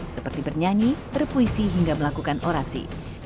seperti bernyanyi berpuisi hingga melakukan orasi